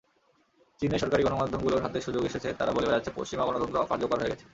চীনের সরকারি গণমাধ্যমগুলোর হাতে সুযোগ এসেছে, তারা বলে বেড়াচ্ছে—পশ্চিমা গণতন্ত্র অকার্যকর হয়ে গেছে।